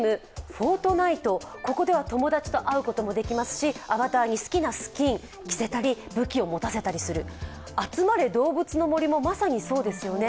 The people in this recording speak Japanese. ここでは友達と会うこともできますしアバターに好きなスキンを着せたり武器を持たせたりできる、「あつまれどうぶつの森」もまさにそうですよね。